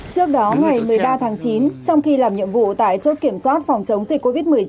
trước đó ngày một mươi ba tháng chín trong khi làm nhiệm vụ tại chốt kiểm soát phòng chống dịch covid một mươi chín